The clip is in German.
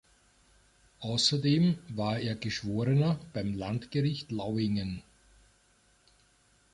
Außerdem war er Geschworener beim Landgericht Lauingen.